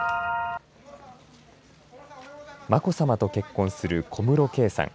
眞子さまと結婚する小室圭さん。